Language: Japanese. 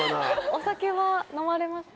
お酒は飲まれますか？